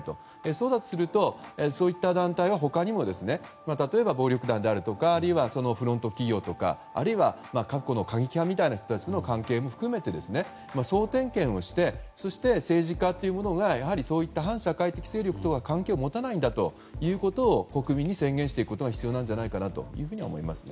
そうだとするとそういった団体は他にも例えば暴力団であるとかあるいは、そのフロント企業とかあるいは、過去の過激派みたいな人たちとの関係も含めて総点検をして政治家はやはりそういった反社会的勢力と関係を持たないんだということを国民に宣言していくことが必要だと思います。